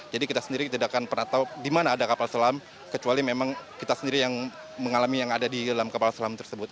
jadi kita sendiri tidak akan pernah tahu di mana ada kapal selam kecuali memang kita sendiri yang mengalami yang ada di dalam kapal selam tersebut